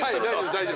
大丈夫？